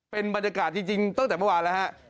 เป็นบรรยากาศจริงตั้งแต่เมื่อวานแล้วฮะ